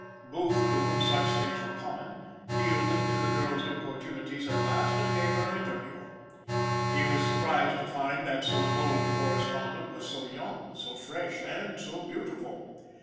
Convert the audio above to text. Booth, to whom such things were common, yielded to the girl's importunities at last and gave her an interview. He was surprised to find that so bold a correspondent was so young, so fresh, and so beautiful.